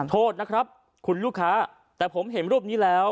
โทษนะครับคุณลูกค้าแต่ผมเห็นรูปนี้แล้ว